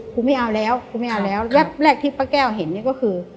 ไม่เอาแล้วกูไม่เอาแล้วแวบแรกที่ป้าแก้วเห็นนี่ก็คือ